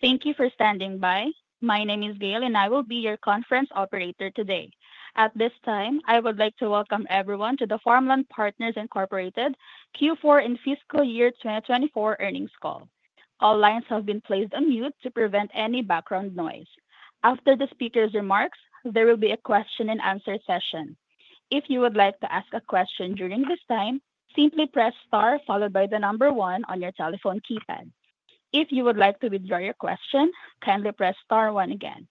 Thank you for standing by. My name is Gayle, and I will be your conference operator today. At this time, I would like to welcome everyone to the Farmland Partners Incorporated Q4 and fiscal year 2024 earnings call. All lines have been placed on mute to prevent any background noise. After the speaker's remarks, there will be a question-and-answer session. If you would like to ask a question during this time, simply press star followed by the number one on your telephone keypad. If you would like to withdraw your question, kindly press star one again.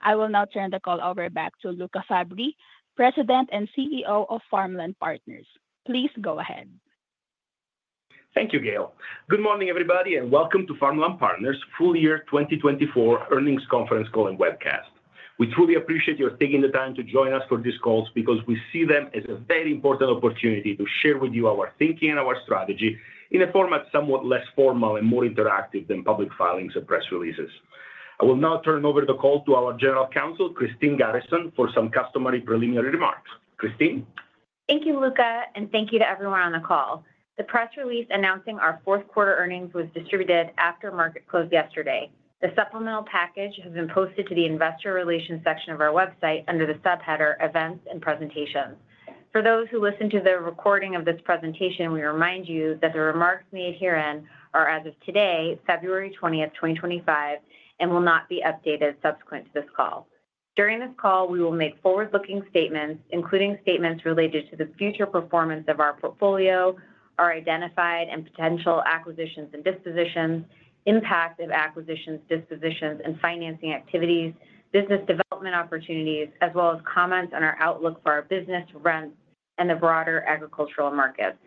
I will now turn the call over back to Luca Fabbri, President and CEO of Farmland Partners. Please go ahead. Thank you, Gayle. Good morning, everybody, and welcome to Farmland Partners full year 2024 earnings conference call and webcast. We truly appreciate your taking the time to join us for these calls because we see them as a very important opportunity to share with you our thinking and our strategy in a format somewhat less formal and more interactive than public filings and press releases. I will now turn over the call to our General Counsel, Christine Garrison, for some customary preliminary remarks. Christine. Thank you, Luca, and thank you to everyone on the call. The press release announcing our fourth quarter earnings was distributed after market close yesterday. The supplemental package has been posted to the investor relations section of our website under the subheader Events and Presentations. For those who listen to the recording of this presentation, we remind you that the remarks made herein are, as of today, February 20th, 2025, and will not be updated subsequent to this call. During this call, we will make forward-looking statements, including statements related to the future performance of our portfolio, our identified and potential acquisitions and dispositions, impact of acquisitions, dispositions, and financing activities, business development opportunities, as well as comments on our outlook for our business, rents, and the broader agricultural markets.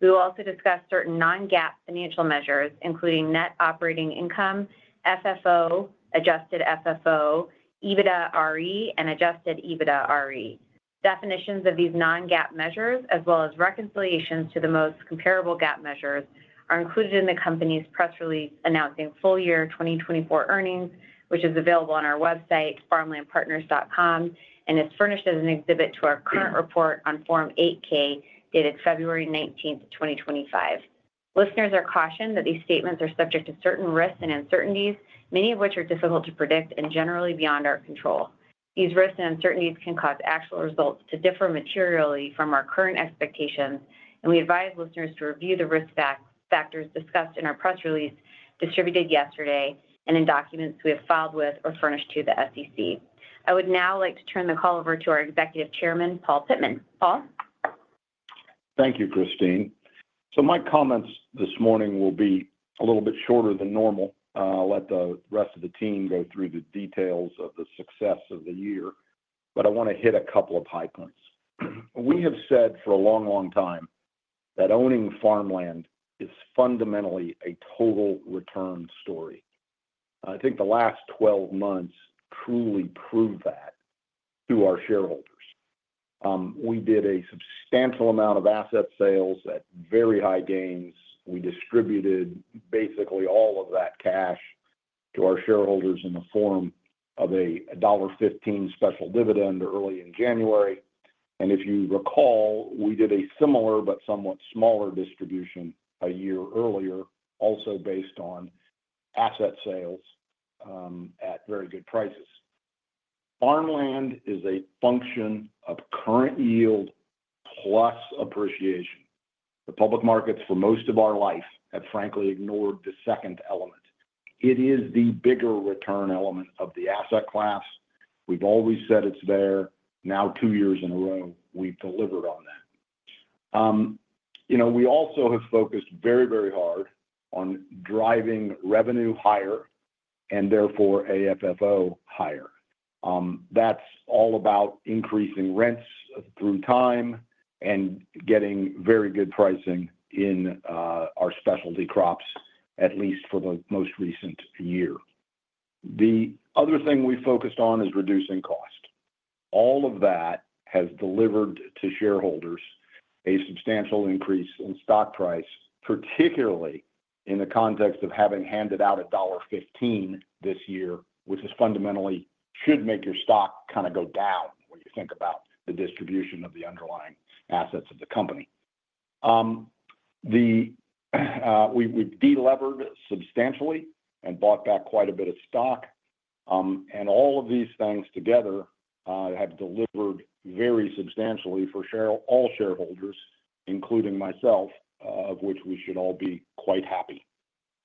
We will also discuss certain non-GAAP financial measures, including net operating income, FFO, adjusted FFO, EBITDAre, and Adjusted EBITDAre. Definitions of these non-GAAP measures, as well as reconciliations to the most comparable GAAP measures, are included in the company's press release announcing full year 2024 earnings, which is available on our website, farmlandpartners.com, and is furnished as an exhibit to our current report on Form 8-K dated February 19th, 2025. Listeners are cautioned that these statements are subject to certain risks and uncertainties, many of which are difficult to predict and generally beyond our control. These risks and uncertainties can cause actual results to differ materially from our current expectations, and we advise listeners to review the risk factors discussed in our press release distributed yesterday and in documents we have filed with or furnished to the SEC. I would now like to turn the call over to our Executive Chairman, Paul Pittman. Paul. Thank you, Christine. So my comments this morning will be a little bit shorter than normal. I'll let the rest of the team go through the details of the success of the year, but I want to hit a couple of high points. We have said for a long, long time that owning farmland is fundamentally a total return story. I think the last 12 months truly proved that to our shareholders. We did a substantial amount of asset sales at very high gains. We distributed basically all of that cash to our shareholders in the form of a $1.15 special dividend early in January. And if you recall, we did a similar but somewhat smaller distribution a year earlier, also based on asset sales at very good prices. Farmland is a function of current yield plus appreciation. The public markets for most of our life have, frankly, ignored the second element. It is the bigger return element of the asset class. We've always said it's there. Now, two years in a row, we've delivered on that. You know, we also have focused very, very hard on driving revenue higher and therefore AFFO higher. That's all about increasing rents through time and getting very good pricing in our specialty crops, at least for the most recent year. The other thing we focused on is reducing cost. All of that has delivered to shareholders a substantial increase in stock price, particularly in the context of having handed out a $1.15 this year, which fundamentally should make your stock kind of go down when you think about the distribution of the underlying assets of the company. We've delevered substantially and bought back quite a bit of stock. All of these things together have delivered very substantially for all shareholders, including myself, of which we should all be quite happy.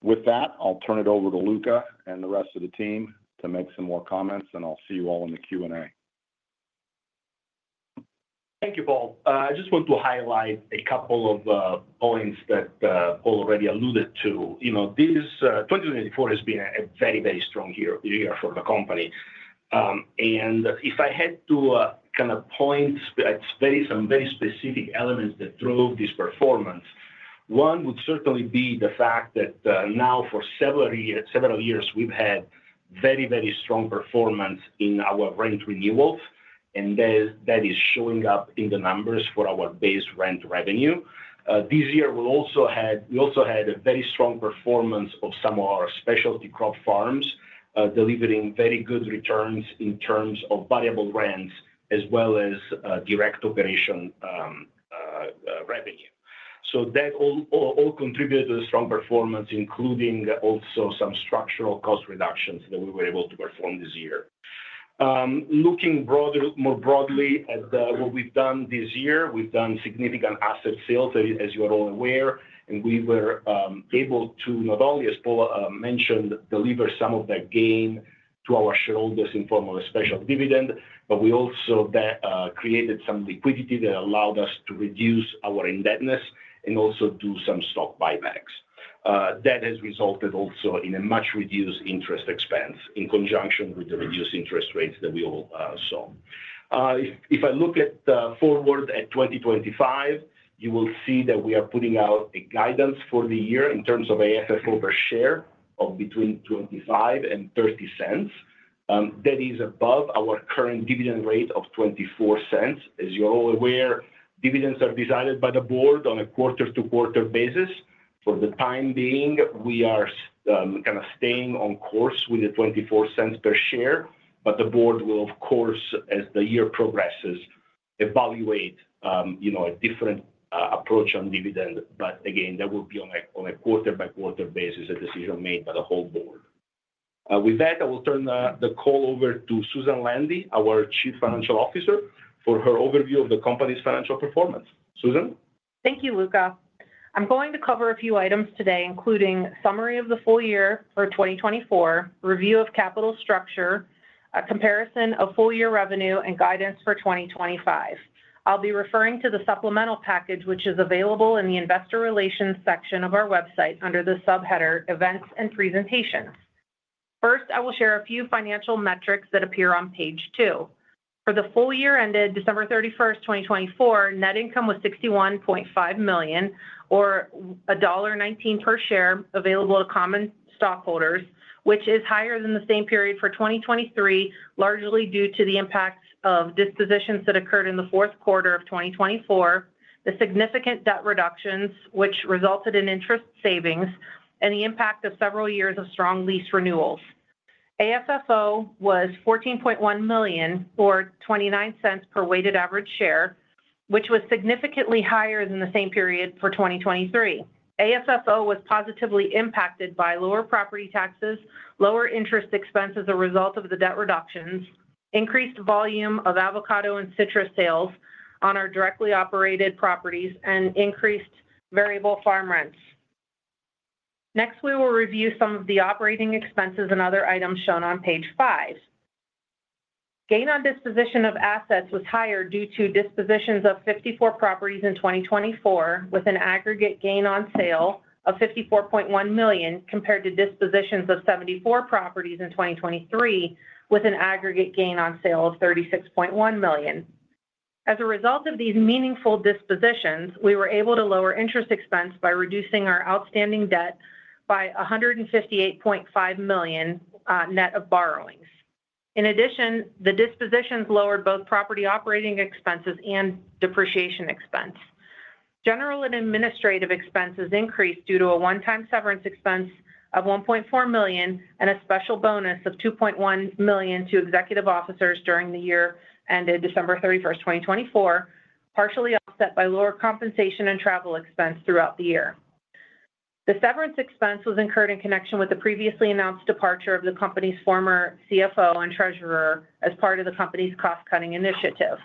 With that, I'll turn it over to Luca and the rest of the team to make some more comments, and I'll see you all in the Q&A. Thank you, Paul. I just want to highlight a couple of points that Paul already alluded to. You know, this 2024 has been a very, very strong year for the company. And if I had to kind of point at some very specific elements that drove this performance, one would certainly be the fact that now for several years we've had very, very strong performance in our rent renewals, and that is showing up in the numbers for our base rent revenue. This year we also had a very strong performance of some of our specialty crop farms delivering very good returns in terms of variable rents as well as direct operation revenue. So that all contributed to the strong performance, including also some structural cost reductions that we were able to perform this year. Looking more broadly at what we've done this year, we've done significant asset sales, as you are all aware, and we were able to, not only, as Paul mentioned, deliver some of that gain to our shareholders in form of a special dividend, but we also created some liquidity that allowed us to reduce our indebtedness and also do some stock buybacks. That has resulted also in a much reduced interest expense in conjunction with the reduced interest rates that we all saw. If I look forward at 2025, you will see that we are putting out a guidance for the year in terms of AFFO per share of between $0.25 and $0.30. That is above our current dividend rate of $0.24. As you're all aware, dividends are decided by the board on a quarter-to-quarter basis. For the time being, we are kind of staying on course with the $0.24 per share, but the board will, of course, as the year progresses, evaluate a different approach on dividend. But again, that will be on a quarter-by-quarter basis, a decision made by the whole board. With that, I will turn the call over to Susan Landi, our Chief Financial Officer, for her overview of the company's financial performance. Susan? Thank you, Luca. I'm going to cover a few items today, including summary of the full year for 2024, review of capital structure, a comparison of full year revenue, and guidance for 2025. I'll be referring to the supplemental package, which is available in the investor relations section of our website under the subheader Events and Presentations. First, I will share a few financial metrics that appear on page two. For the full year ended December 31st, 2024, net income was $61.5 million, or $1.19 per share available to common stockholders, which is higher than the same period for 2023, largely due to the impacts of dispositions that occurred in the fourth quarter of 2024, the significant debt reductions, which resulted in interest savings, and the impact of several years of strong lease renewals. AFFO was $14.1 million, or $0.29 per weighted average share, which was significantly higher than the same period for 2023. AFFO was positively impacted by lower property taxes, lower interest expense as a result of the debt reductions, increased volume of avocado and citrus sales on our directly operated properties, and increased variable farm rents. Next, we will review some of the operating expenses and other items shown on page five. Gain on disposition of assets was higher due to dispositions of 54 properties in 2024, with an aggregate gain on sale of $54.1 million, compared to dispositions of 74 properties in 2023, with an aggregate gain on sale of $36.1 million. As a result of these meaningful dispositions, we were able to lower interest expense by reducing our outstanding debt by $158.5 million net of borrowings. In addition, the dispositions lowered both property operating expenses and depreciation expense. General and administrative expenses increased due to a one-time severance expense of $1.4 million and a special bonus of $2.1 million to executive officers during the year ended December 31st, 2024, partially offset by lower compensation and travel expense throughout the year. The severance expense was incurred in connection with the previously announced departure of the company's former CFO and treasurer as part of the company's cost-cutting initiative.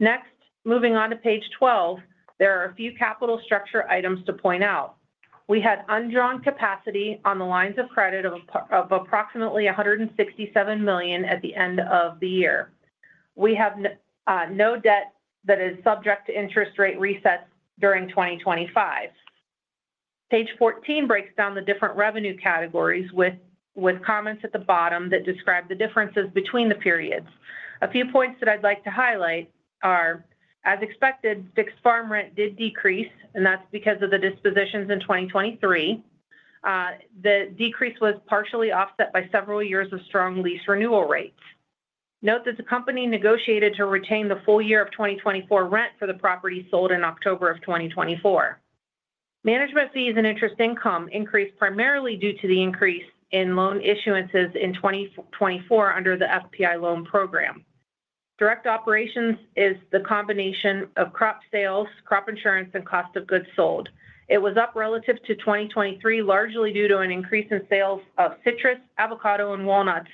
Next, moving on to page 12, there are a few capital structure items to point out. We had undrawn capacity on the lines of credit of approximately $167 million at the end of the year. We have no debt that is subject to interest rate resets during 2025. Page 14 breaks down the different revenue categories with comments at the bottom that describe the differences between the periods. A few points that I'd like to highlight are, as expected, fixed farm rent did decrease, and that's because of the dispositions in 2023. The decrease was partially offset by several years of strong lease renewal rates. Note that the company negotiated to retain the full year of 2024 rent for the property sold in October of 2024. Management fees and interest income increased primarily due to the increase in loan issuances in 2024 under the FPI Loan Program. Direct operations is the combination of crop sales, crop insurance, and cost of goods sold. It was up relative to 2023, largely due to an increase in sales of citrus, avocado, and walnuts,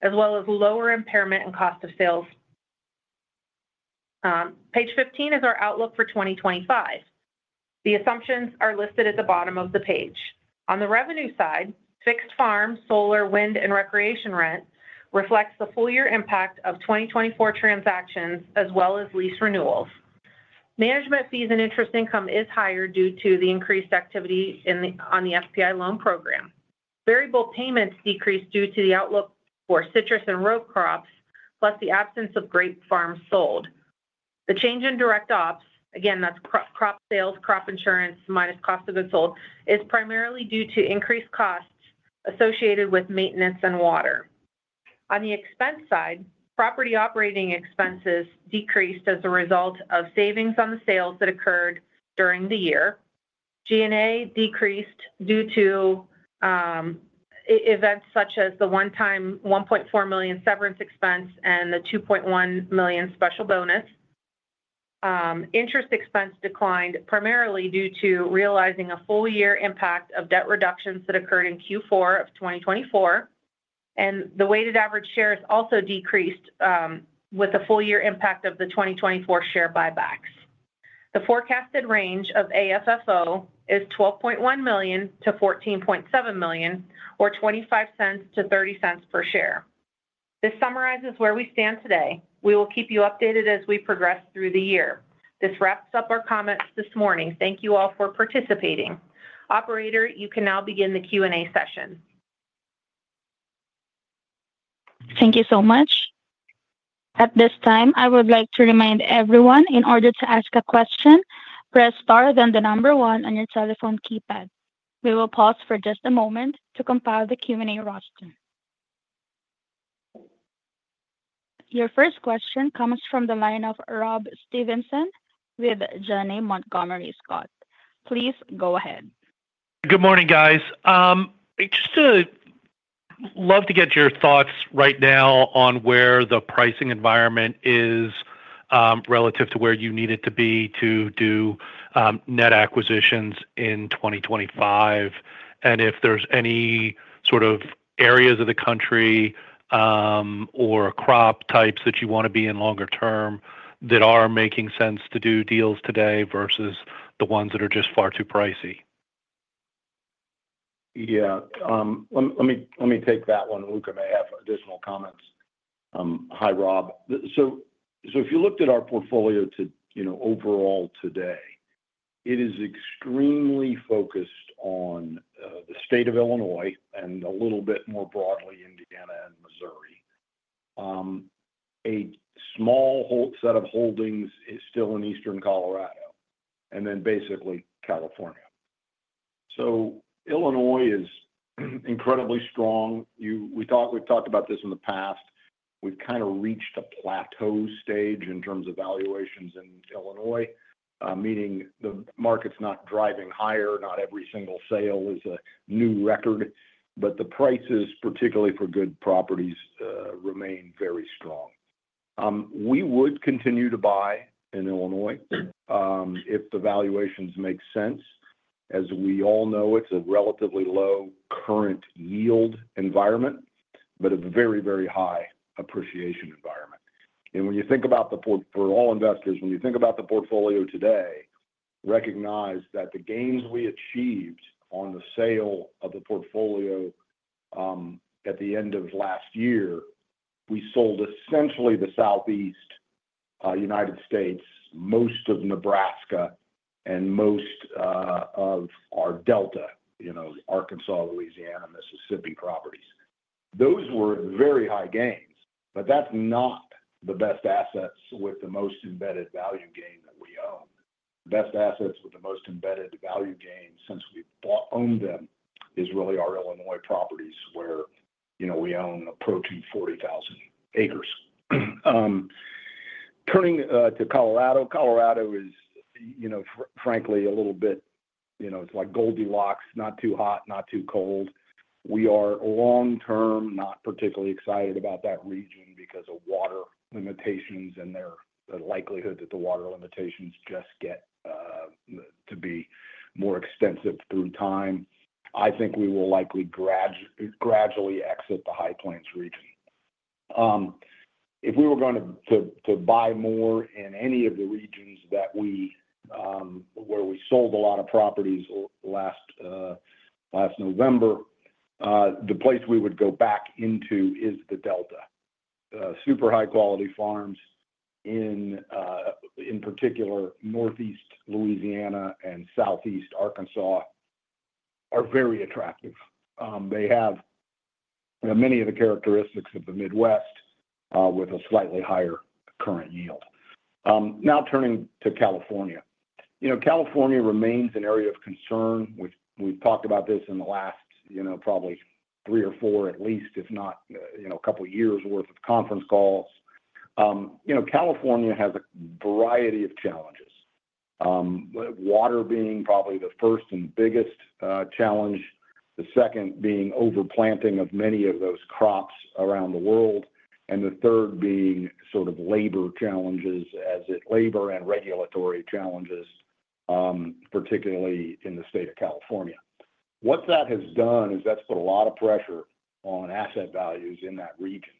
as well as lower impairment and cost of sales. Page 15 is our outlook for 2025. The assumptions are listed at the bottom of the page. On the revenue side, fixed farm, solar, wind, and recreation rent reflects the full year impact of 2024 transactions as well as lease renewals. Management fees and interest income is higher due to the increased activity on the FPI Loan Program. Variable payments decreased due to the outlook for citrus and row crops, plus the absence of grape farms sold. The change in direct ops, again, that's crop sales, crop insurance, minus cost of goods sold, is primarily due to increased costs associated with maintenance and water. On the expense side, property operating expenses decreased as a result of savings on the sales that occurred during the year. G&A decreased due to events such as the one-time $1.4 million severance expense and the $2.1 million special bonus. Interest expense declined primarily due to realizing a full year impact of debt reductions that occurred in Q4 of 2024, and the weighted average shares also decreased with the full year impact of the 2024 share buybacks. The forecasted range of AFFO is $12.1 million-$14.7 million, or $0.25-$0.30 per share. This summarizes where we stand today. We will keep you updated as we progress through the year. This wraps up our comments this morning. Thank you all for participating. Operator, you can now begin the Q&A session. Thank you so much. At this time, I would like to remind everyone, in order to ask a question, press star, then the number one on your telephone keypad. We will pause for just a moment to compile the Q&A roster. Your first question comes from the line of Rob Stevenson with Janney Montgomery Scott. Please go ahead. Good morning, guys. I'd just love to get your thoughts right now on where the pricing environment is relative to where you need it to be to do net acquisitions in 2025, and if there's any sort of areas of the country or crop types that you want to be in longer term that are making sense to do deals today versus the ones that are just far too pricey? Yeah. Let me take that one. Luca may have additional comments. Hi, Rob. So if you looked at our portfolio overall today, it is extremely focused on the state of Illinois and a little bit more broadly Indiana and Missouri. A small set of holdings is still in Eastern Colorado and then basically California. So Illinois is incredibly strong. We've talked about this in the past. We've kind of reached a plateau stage in terms of valuations in Illinois, meaning the market's not driving higher. Not every single sale is a new record, but the prices, particularly for good properties, remain very strong. We would continue to buy in Illinois if the valuations make sense. As we all know, it's a relatively low current yield environment, but a very, very high appreciation environment. When you think about the portfolio for all investors, when you think about the portfolio today, recognize that the gains we achieved on the sale of the portfolio at the end of last year. We sold essentially the Southeast United States, most of Nebraska, and most of our Delta, you know, Arkansas, Louisiana, Mississippi properties. Those were very high gains, but that's not the best assets with the most embedded value gain that we own. The best assets with the most embedded value gain since we've owned them is really our Illinois properties where, you know, we own approaching 40,000 acres. Turning to Colorado, Colorado is, you know, frankly, a little bit, you know, it's like Goldilocks, not too hot, not too cold. We are long-term not particularly excited about that region because of water limitations and the likelihood that the water limitations just get to be more extensive through time. I think we will likely gradually exit the High Plains region. If we were going to buy more in any of the regions where we sold a lot of properties last November, the place we would go back into is the Delta. Super high-quality farms, in particular, Northeast Louisiana and Southeast Arkansas, are very attractive. They have many of the characteristics of the Midwest with a slightly higher current yield. Now turning to California. You know, California remains an area of concern. We've talked about this in the last, you know, probably three or four, at least, if not, you know, a couple of years' worth of conference calls. You know, California has a variety of challenges, water being probably the first and biggest challenge, the second being overplanting of many of those crops around the world, and the third being sort of labor and regulatory challenges, particularly in the state of California. What that has done is that's put a lot of pressure on asset values in that region.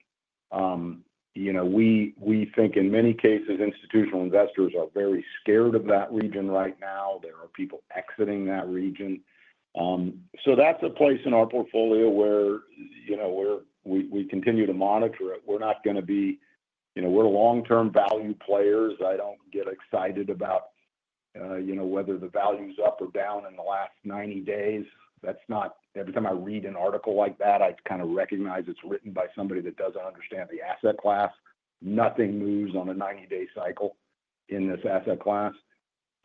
You know, we think in many cases, institutional investors are very scared of that region right now. There are people exiting that region. So that's a place in our portfolio where, you know, we continue to monitor it. We're not going to be, you know, we're long-term value players. I don't get excited about, you know, whether the value's up or down in the last 90 days. That's not every time I read an article like that, I kind of recognize it's written by somebody that doesn't understand the asset class. Nothing moves on a 90-day cycle in this asset class.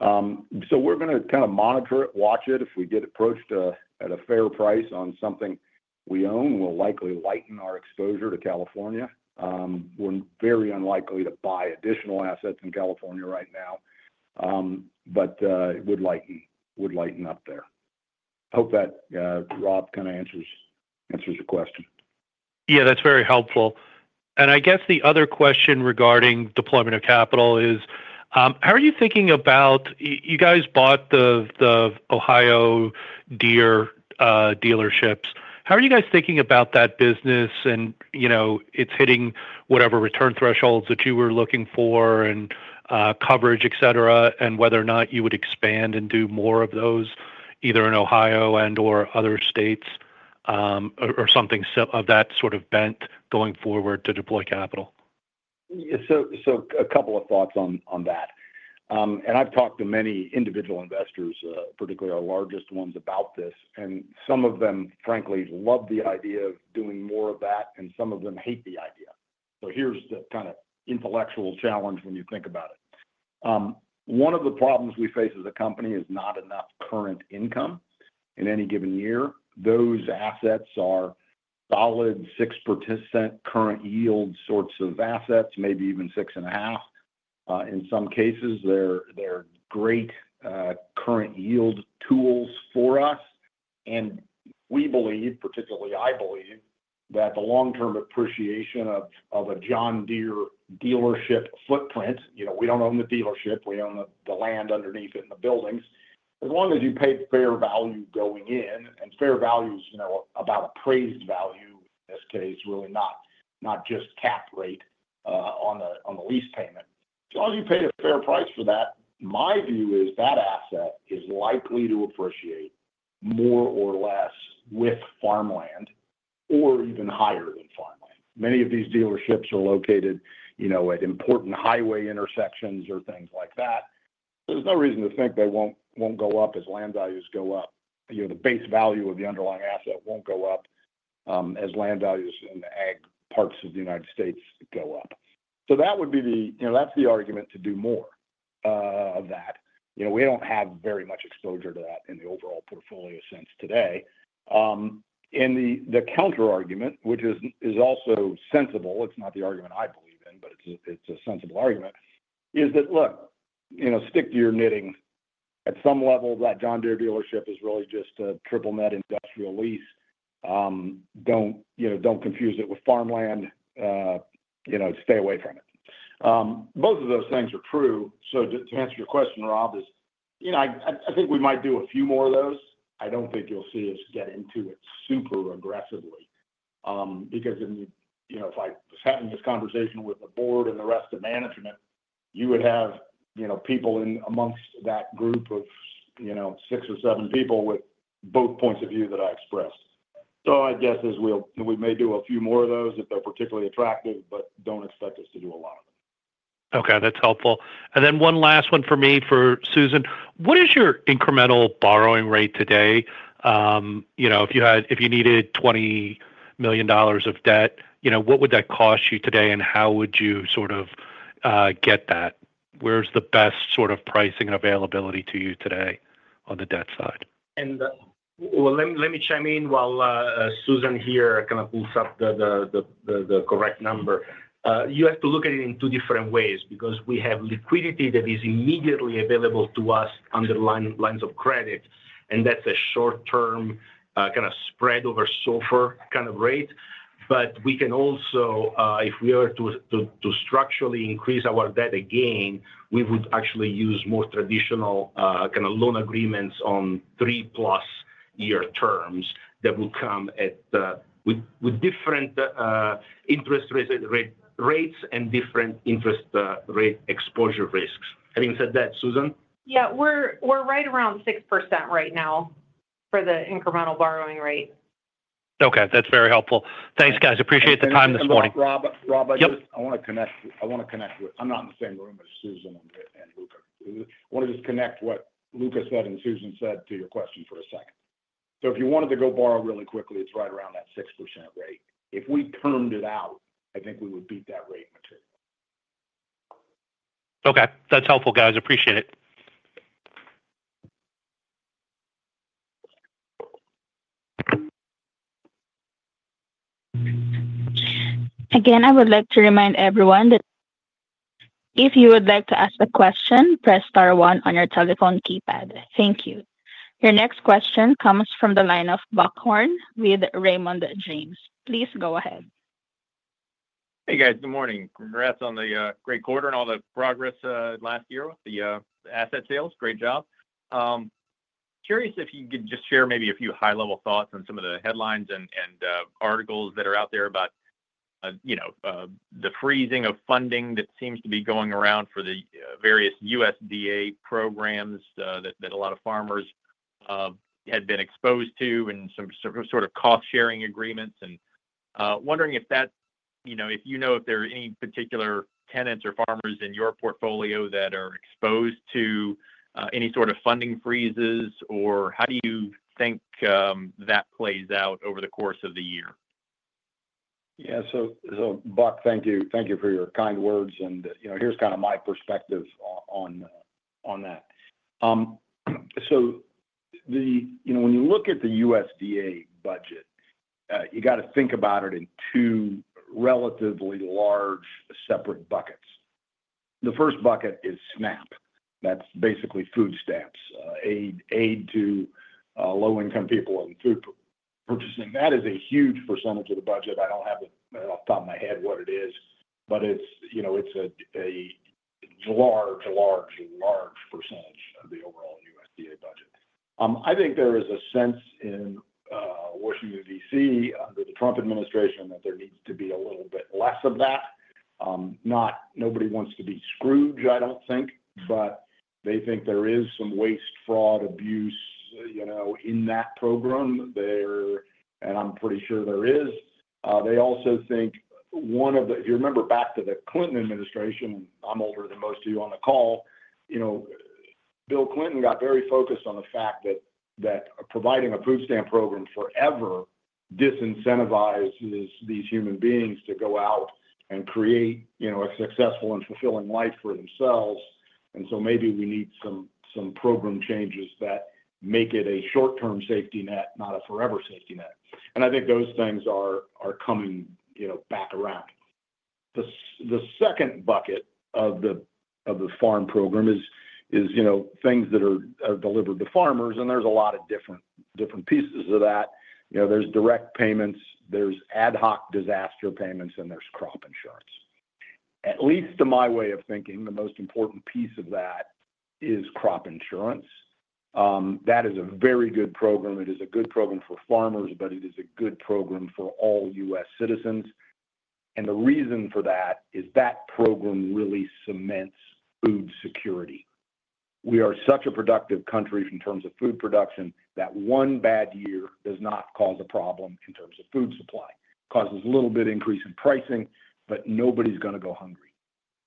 So we're going to kind of monitor it, watch it. If we get approached at a fair price on something we own, we'll likely lighten our exposure to California. We're very unlikely to buy additional assets in California right now, but would lighten up there. Hope that, Rob, kind of answers your question. Yeah, that's very helpful, and I guess the other question regarding deployment of capital is, how are you thinking about you guys bought the Ohio Deere dealerships. How are you guys thinking about that business and, you know, it's hitting whatever return thresholds that you were looking for and coverage, etc., and whether or not you would expand and do more of those either in Ohio and/or other states or something of that sort of bent going forward to deploy capital? Yeah. So a couple of thoughts on that. And I've talked to many individual investors, particularly our largest ones, about this, and some of them, frankly, love the idea of doing more of that, and some of them hate the idea. So here's the kind of intellectual challenge when you think about it. One of the problems we face as a company is not enough current income in any given year. Those assets are solid 6% current yield sorts of assets, maybe even 6.5%. In some cases, they're great current yield tools for us. And we believe, particularly I believe, that the long-term appreciation of a John Deere dealership footprint, you know, we don't own the dealership. We own the land underneath it and the buildings. As long as you paid fair value going in, and fair value is, you know, about appraised value, in this case, really not just cap rate on the lease payment. As long as you paid a fair price for that, my view is that asset is likely to appreciate more or less with farmland or even higher than farmland. Many of these dealerships are located, you know, at important highway intersections or things like that. There's no reason to think they won't go up as land values go up. You know, the base value of the underlying asset won't go up as land values in the ag parts of the United States go up. So that would be the, you know, that's the argument to do more of that. You know, we don't have very much exposure to that in the overall portfolio sense today. The counter argument, which is also sensible, it's not the argument I believe in, but it's a sensible argument, is that, look, you know, stick to your knitting. At some level, that John Deere dealership is really just a triple net industrial lease. Don't, you know, don't confuse it with farmland. You know, stay away from it. Both of those things are true. So to answer your question, Rob, is, you know, I think we might do a few more of those. I don't think you'll see us get into it super aggressively because, you know, if I was having this conversation with the board and the rest of management, you would have, you know, people amongst that group of, you know, six or seven people with both points of view that I expressed. I guess we may do a few more of those if they're particularly attractive, but don't expect us to do a lot of them. Okay. That's helpful. And then one last one for me, for Susan. What is your incremental borrowing rate today? You know, if you needed $20 million of debt, you know, what would that cost you today and how would you sort of get that? Where's the best sort of pricing and availability to you today on the debt side? Well, let me chime in while Susan here kind of pulls up the correct number. You have to look at it in two different ways because we have liquidity that is immediately available to us under lines of credit, and that's a short-term kind of spread over SOFR kind of rate. But we can also, if we were to structurally increase our debt again, we would actually use more traditional kind of loan agreements on three-plus-year terms that would come with different interest rates and different interest rate exposure risks. Having said that, Susan? Yeah. We're right around 6% right now for the incremental borrowing rate. Okay. That's very helpful. Thanks, guys. Appreciate the time this morning. Rob, I want to connect with. I'm not in the same room as Susan and Luca. I want to just connect what Luca said and Susan said to your question for a second. So if you wanted to go borrow really quickly, it's right around that 6% rate. If we turned it out, I think we would beat that rate materially. Okay. That's helpful, guys. Appreciate it. Again, I would like to remind everyone that if you would like to ask a question, press star one on your telephone keypad. Thank you. Your next question comes from the line of Buck Horne with Raymond James. Please go ahead. Hey, guys. Good morning. Congrats on the great quarter and all the progress last year with the asset sales. Great job. Curious if you could just share maybe a few high-level thoughts on some of the headlines and articles that are out there about, you know, the freezing of funding that seems to be going around for the various USDA programs that a lot of farmers had been exposed to and some sort of cost-sharing agreements. And wondering if that, you know, if there are any particular tenants or farmers in your portfolio that are exposed to any sort of funding freezes, or how do you think that plays out over the course of the year? Yeah. So, Buck, thank you. Thank you for your kind words. And you know, here's kind of my perspective on that. So the, you know, when you look at the USDA budget, you got to think about it in two relatively large separate buckets. The first bucket is SNAP. That's basically food stamps, aid to low-income people and food purchasing. That is a huge percentage of the budget. I don't have it off the top of my head what it is, but it's, you know, it's a large, large, large percentage of the overall USDA budget. I think there is a sense in Washington, D.C., under the Trump administration, that there needs to be a little bit less of that. Not nobody wants to be scrooge, I don't think, but they think there is some waste, fraud, abuse, you know, in that program there, and I'm pretty sure there is. They also think one of the, if you remember back to the Clinton administration, and I'm older than most of you on the call, you know, Bill Clinton got very focused on the fact that providing a food stamp program forever disincentivizes these human beings to go out and create, you know, a successful and fulfilling life for themselves. And so maybe we need some program changes that make it a short-term safety net, not a forever safety net. And I think those things are coming, you know, back around. The second bucket of the farm program is, you know, things that are delivered to farmers, and there's a lot of different pieces of that. You know, there's direct payments, there's ad hoc disaster payments, and there's crop insurance. At least to my way of thinking, the most important piece of that is crop insurance. That is a very good program. It is a good program for farmers, but it is a good program for all U.S. citizens, and the reason for that is that program really cements food security. We are such a productive country in terms of food production that one bad year does not cause a problem in terms of food supply, causes a little bit of increase in pricing, but nobody's going to go hungry.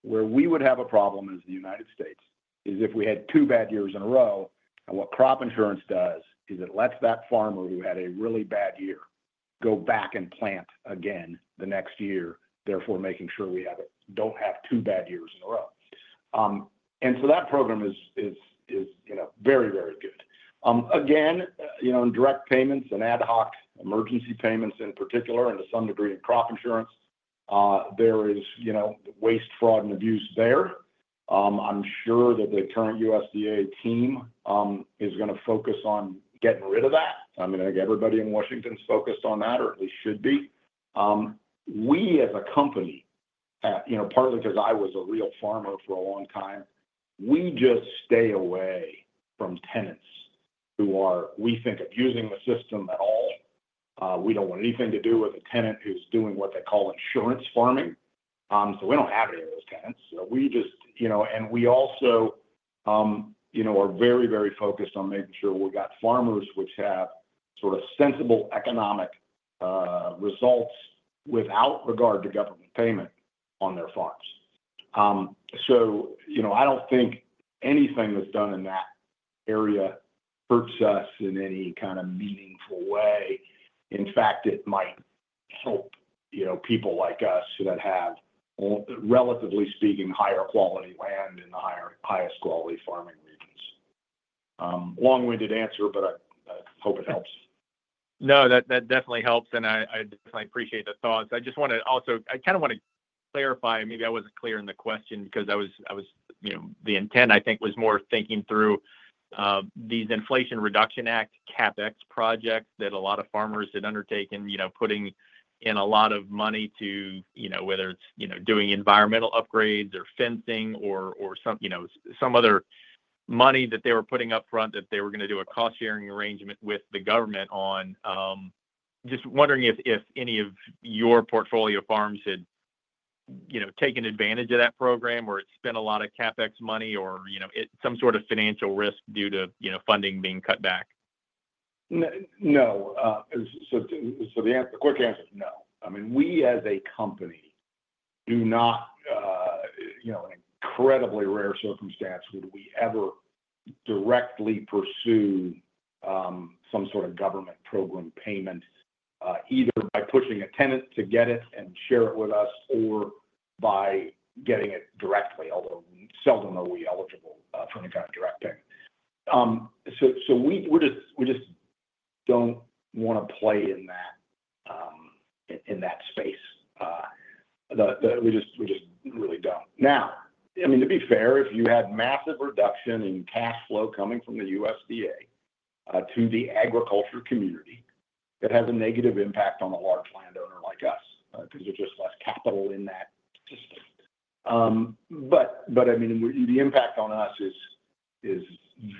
Where we would have a problem as the United States is if we had two bad years in a row, and what crop insurance does is it lets that farmer who had a really bad year go back and plant again the next year, therefore making sure we don't have two bad years in a row, and so that program is, you know, very, very good. Again, you know, in direct payments and ad hoc emergency payments in particular, and to some degree in crop insurance, there is, you know, waste, fraud, and abuse there. I'm sure that the current USDA team is going to focus on getting rid of that. I mean, I think everybody in Washington is focused on that, or at least should be. We, as a company, you know, partly because I was a real farmer for a long time, we just stay away from tenants who are, we think, abusing the system at all. We don't want anything to do with a tenant who's doing what they call insurance farming. So we don't have any of those tenants. So we just, you know, and we also, you know, are very, very focused on making sure we've got farmers which have sort of sensible economic results without regard to government payment on their farms. So, you know, I don't think anything that's done in that area hurts us in any kind of meaningful way. In fact, it might help, you know, people like us that have relatively speaking higher quality land in the highest quality farming regions. Long-winded answer, but I hope it helps. No, that definitely helps. And I definitely appreciate the thoughts. I just want to also, I kind of want to clarify, maybe I wasn't clear in the question because I was, you know, the intent, I think, was more thinking through these Inflation Reduction Act CapEx projects that a lot of farmers had undertaken, you know, putting in a lot of money to, you know, whether it's, you know, doing environmental upgrades or fencing or, you know, some other money that they were putting up front that they were going to do a cost-sharing arrangement with the government on. Just wondering if any of your portfolio farms had, you know, taken advantage of that program or it's spent a lot of CapEx money or, you know, some sort of financial risk due to, you know, funding being cut back. No. So the quick answer is no. I mean, we as a company do not, you know, in an incredibly rare circumstance, would we ever directly pursue some sort of government program payment either by pushing a tenant to get it and share it with us or by getting it directly, although seldom are we eligible for any kind of direct payment. So we just don't want to play in that space. We just really don't. Now, I mean, to be fair, if you had massive reduction in cash flow coming from the USDA to the agriculture community, that has a negative impact on a large landowner like us because there's just less capital in that system. But I mean, the impact on us is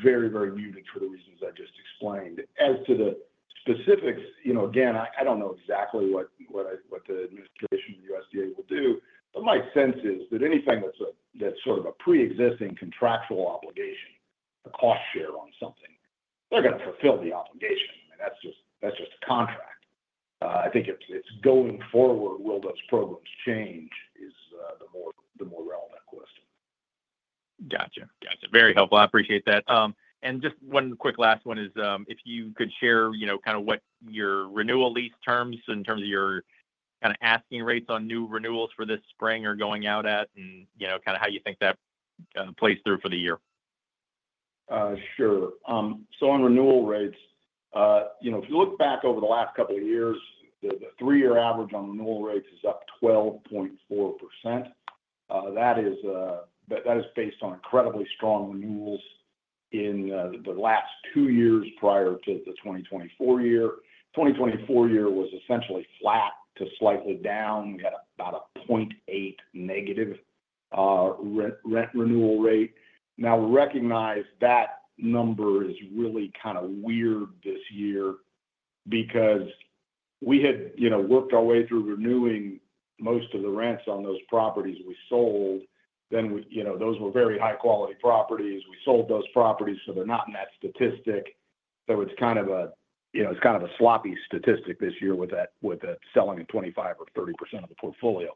very, very muted for the reasons I just explained. As to the specifics, you know, again, I don't know exactly what the administration of the USDA will do, but my sense is that anything that's sort of a pre-existing contractual obligation, a cost share on something, they're going to fulfill the obligation. I mean, that's just a contract. I think it's going forward, will those programs change is the more relevant question. Gotcha. Gotcha. Very helpful. I appreciate that. And just one quick last one is if you could share, you know, kind of what your renewal lease terms in terms of your kind of asking rates on new renewals for this spring are going out at and, you know, kind of how you think that plays through for the year? Sure. So on renewal rates, you know, if you look back over the last couple of years, the three-year average on renewal rates is up 12.4%. That is based on incredibly strong renewals in the last two years prior to the 2024 year. The 2024 year was essentially flat to slightly down. We had about a -0.8% rent renewal rate. Now, recognize that number is really kind of weird this year because we had, you know, worked our way through renewing most of the rents on those properties we sold. Then, you know, those were very high-quality properties. We sold those properties, so they're not in that statistic. So it's kind of a sloppy statistic this year with selling 25% or 30% of the portfolio.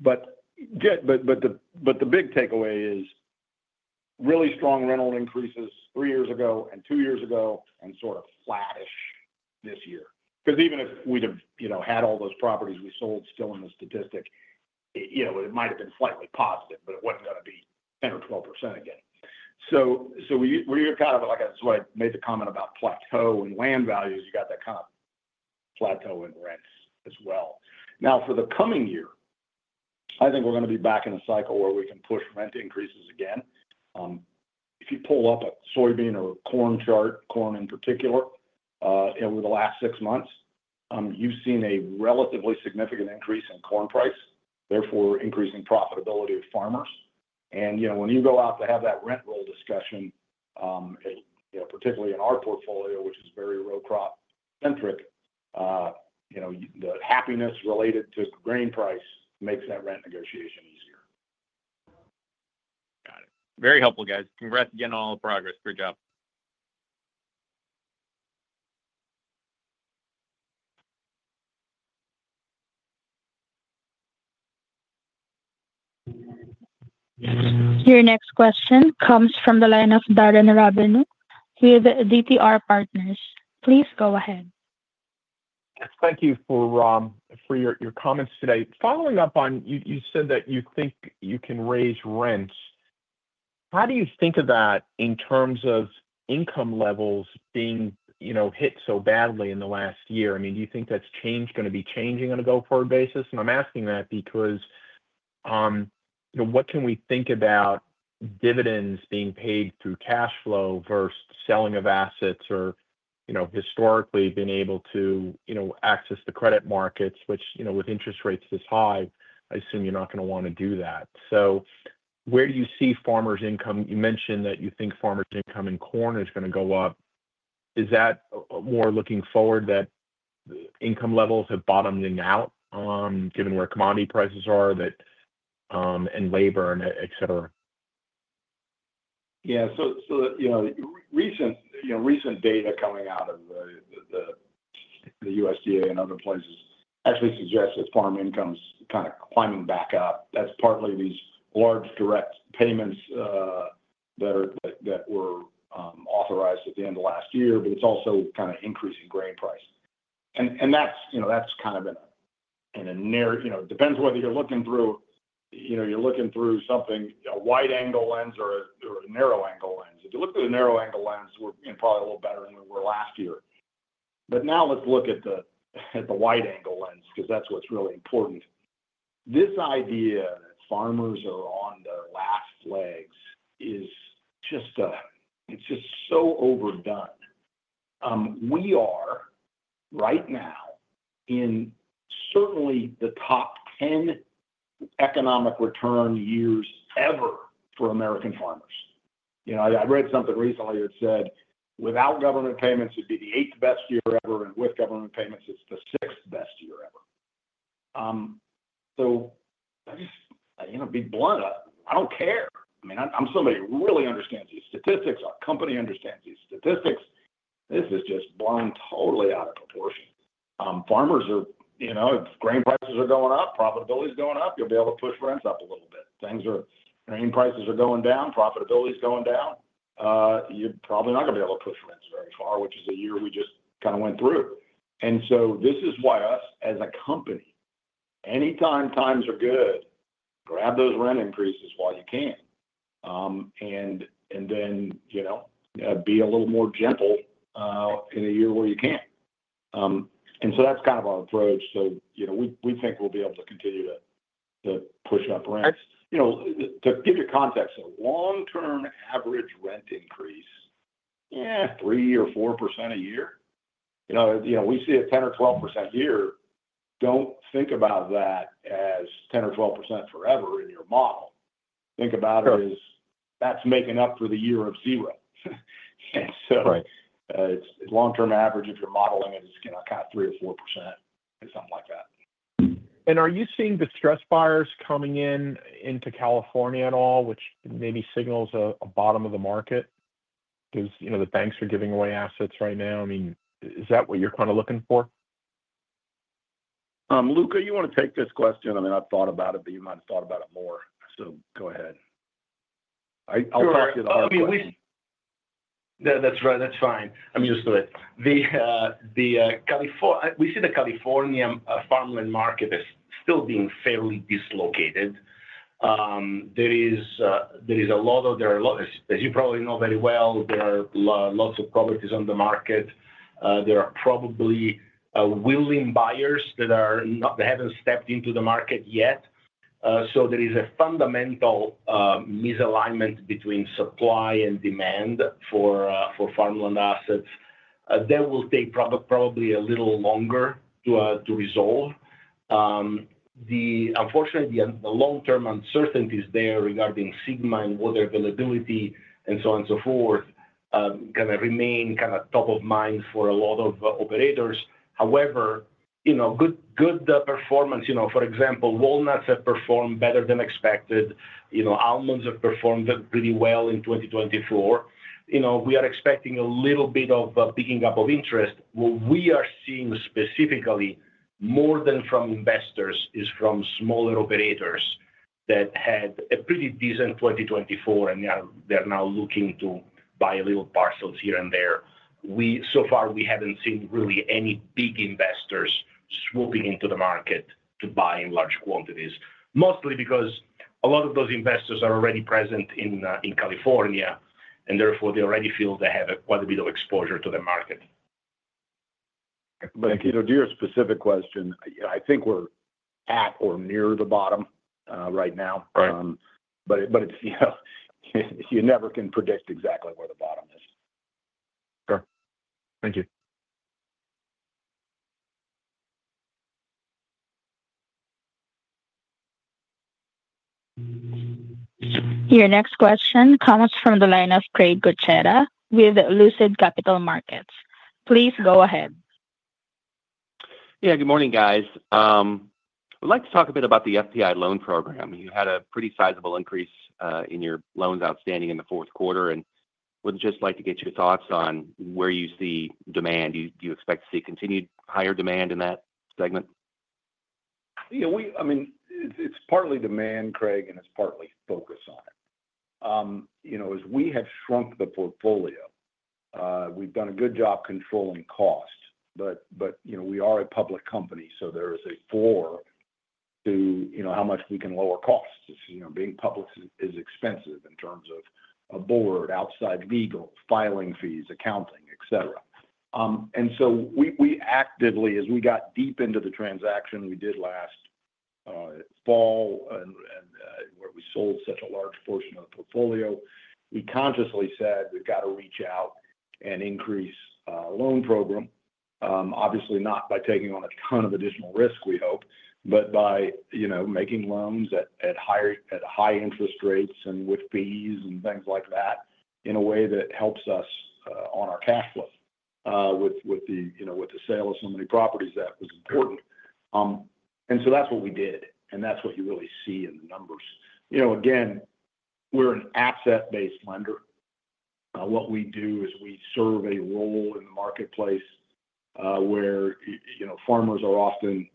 But the big takeaway is really strong rental increases three years ago and two years ago and sort of flattish this year. Because even if we'd have, you know, had all those properties we sold still in the statistic, you know, it might have been slightly positive, but it wasn't going to be 10% or 12% again. So we're kind of, like I said, when I made the comment about plateau in land values, you got that kind of plateau in rents as well. Now, for the coming year, I think we're going to be back in a cycle where we can push rent increases again. If you pull up a soybean or corn chart, corn in particular, over the last six months, you've seen a relatively significant increase in corn price, therefore increasing profitability of farmers. You know, when you go out to have that rent roll discussion, you know, particularly in our portfolio, which is very row crop-centric, you know, the happiness related to grain price makes that rent negotiation easier. Got it. Very helpful, guys. Congrats again on all the progress. Great job. Your next question comes from the line of Darren Rabenou. He is DTR Partners. Please go ahead. Thank you for your comments today. Following up on, you said that you think you can raise rents. How do you think of that in terms of income levels being, you know, hit so badly in the last year? I mean, do you think that's going to be changing on a go-forward basis? And I'm asking that because, you know, what can we think about dividends being paid through cash flow versus selling of assets or, you know, historically being able to, you know, access the credit markets, which, you know, with interest rates this high, I assume you're not going to want to do that. So where do you see farmers' income? You mentioned that you think farmers' income in corn is going to go up. Is that more looking forward that income levels have bottomed out given where commodity prices are and labor, etc.? Yeah. So, you know, recent data coming out of the USDA and other places actually suggests that farm income is kind of climbing back up. That's partly these large direct payments that were authorized at the end of last year, but it's also kind of increasing grain price. And that's, you know, that's kind of, you know, it depends whether you're looking through something, a wide-angle lens or a narrow-angle lens. If you look through the narrow-angle lens, we're probably a little better than we were last year. But now let's look at the wide-angle lens because that's what's really important. This idea that farmers are on their last legs is just, it's just so overdone. We are right now in certainly the top 10 economic return years ever for American farmers. You know, I read something recently that said without government payments, it'd be the eighth best year ever, and with government payments, it's the sixth best year ever. So I just, you know, be blunt. I don't care. I mean, I'm somebody who really understands these statistics. Our company understands these statistics. This is just blown totally out of proportion. Farmers are, you know, if grain prices are going up, profitability is going up, you'll be able to push rents up a little bit. Grain prices are going down, profitability is going down, you're probably not going to be able to push rents very far, which is a year we just kind of went through. And so this is why us as a company, anytime times are good, grab those rent increases while you can. And then, you know, be a little more gentle in a year where you can. And so that's kind of our approach. So, you know, we think we'll be able to continue to push up rents. You know, to give you context, a long-term average rent increase, yeah, 3%-4% a year. You know, we see a 10%-12% year. Don't think about that as 10%-12% forever in your model. Think about it as that's making up for the year of zero. And so it's long-term average if you're modeling it as kind of 3%-4% or something like that. Are you seeing distressed buyers coming into California at all, which maybe signals a bottom of the market? Because, you know, the banks are giving away assets right now. I mean, is that what you're kind of looking for? Luca, you want to take this question? I mean, I've thought about it, but you might have thought about it more. So go ahead. I'll talk to you the hard part. That's fine. I mean, we see the California farmland market is still being fairly dislocated. There is a lot of, as you probably know very well, there are lots of properties on the market. There are probably willing buyers that haven't stepped into the market yet. So there is a fundamental misalignment between supply and demand for farmland assets that will take probably a little longer to resolve. Unfortunately, the long-term uncertainties there regarding SGMA and water availability and so on and so forth kind of remain kind of top of mind for a lot of operators. However, you know, good performance, you know, for example, walnuts have performed better than expected. You know, almonds have performed pretty well in 2024. You know, we are expecting a little bit of a picking up of interest. What we are seeing specifically more than from investors is from smaller operators that had a pretty decent 2024, and they're now looking to buy a little parcels here and there. So far, we haven't seen really any big investors swooping into the market to buy in large quantities, mostly because a lot of those investors are already present in California, and therefore they already feel they have quite a bit of exposure to the market. But you know, to your specific question, I think we're at or near the bottom right now. But you never can predict exactly where the bottom is. Sure. Thank you. Your next question comes from the line of Craig Kucera with Lucid Capital Markets. Please go ahead. Yeah. Good morning, guys. I'd like to talk a bit about the FPI Loan Program. You had a pretty sizable increase in your loans outstanding in the fourth quarter, and would just like to get your thoughts on where you see demand. Do you expect to see continued higher demand in that segment? Yeah. I mean, it's partly demand, Craig, and it's partly focus on it. You know, as we have shrunk the portfolio, we've done a good job controlling costs. But, you know, we are a public company, so there is a floor to, you know, how much we can lower costs. You know, being public is expensive in terms of a board, outside legal, filing fees, accounting, etc. And so we actively, as we got deep into the transaction we did last fall and where we sold such a large portion of the portfolio, we consciously said we've got to reach out and increase the loan program. Obviously, not by taking on a ton of additional risk, we hope, but by, you know, making loans at high interest rates and with fees and things like that in a way that helps us on our cash flow with the, you know, with the sale of so many properties that was important, and so that's what we did, and that's what you really see in the numbers. You know, again, we're an asset-based lender. What we do is we serve a role in the marketplace where, you know, farmers are often,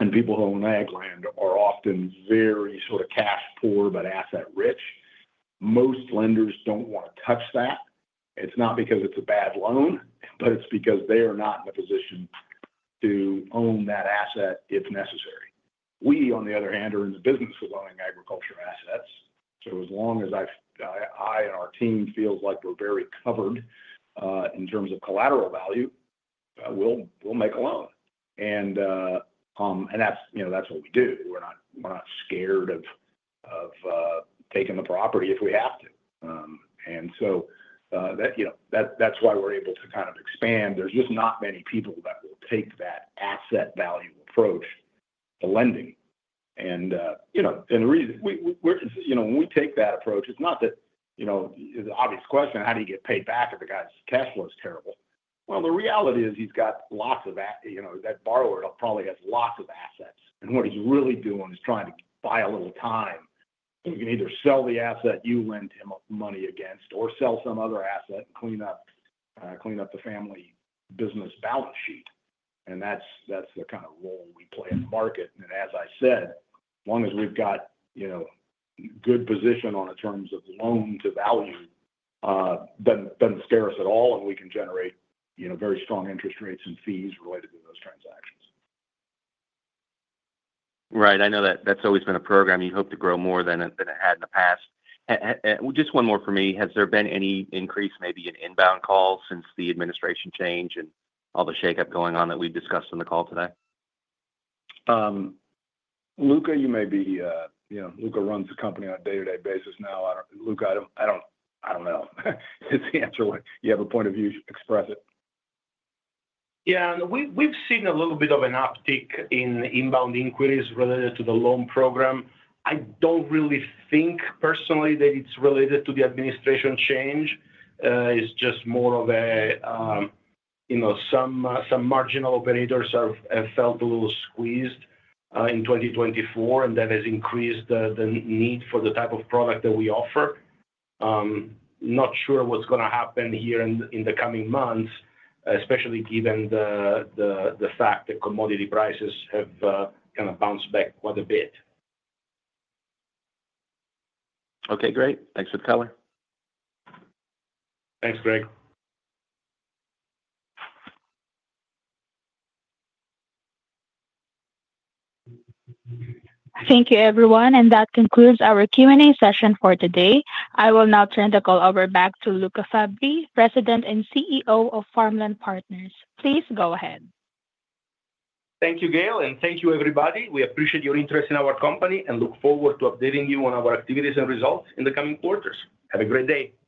and people who own ag land are often very sort of cash poor but asset rich. Most lenders don't want to touch that. It's not because it's a bad loan, but it's because they are not in a position to own that asset if necessary. We, on the other hand, are in the business of owning agricultural assets. So as long as I and our team feel like we're very covered in terms of collateral value, we'll make a loan. And that's, you know, that's what we do. We're not scared of taking the property if we have to. And so that, you know, that's why we're able to kind of expand. There's just not many people that will take that asset value approach to lending. And, you know, and the reason, you know, when we take that approach, it's not that, you know, it's an obvious question, how do you get paid back if the guy's cash flow is terrible? Well, the reality is he's got lots of, you know, that borrower probably has lots of assets. And what he's really doing is trying to buy a little time. You can either sell the asset you lent him money against or sell some other asset and clean up the family business balance sheet. And that's the kind of role we play in the market. And as I said, as long as we've got, you know, good position on the terms of loan to value, it doesn't scare us at all, and we can generate, you know, very strong interest rates and fees related to those transactions. Right. I know that that's always been a program. You hope to grow more than it had in the past. Just one more for me. Has there been any increase maybe in inbound calls since the administration change and all the shakeup going on that we've discussed in the call today? Luca, you may be, you know, Luca runs the company on a day-to-day basis now. Luca, I don't know. It's the answer. You have a point of view, express it. Yeah. We've seen a little bit of an uptick in inbound inquiries related to the loan program. I don't really think personally that it's related to the administration change. It's just more of a, you know, some marginal operators have felt a little squeezed in 2024, and that has increased the need for the type of product that we offer. Not sure what's going to happen here in the coming months, especially given the fact that commodity prices have kind of bounced back quite a bit. Okay. Great. Thanks for the color. Thanks, Craig. Thank you, everyone. And that concludes our Q&A session for today. I will now turn the call over back to Luca Fabbri, President and CEO of Farmland Partners. Please go ahead. Thank you, Gayle, and thank you, everybody. We appreciate your interest in our company and look forward to updating you on our activities and results in the coming quarters. Have a great day.